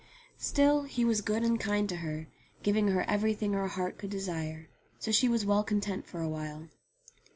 Still he was good and kind to her, giving her everything her heart could desire, so she was well content for a while.